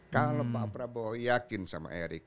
kalau pak prabowo yakin sama erick